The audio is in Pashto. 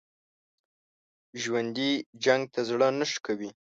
ژوندي جنګ ته زړه نه ښه کوي